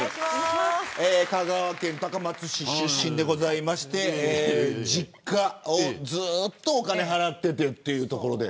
香川県高松市出身でございまして実家をずっとお金払っていてというところで。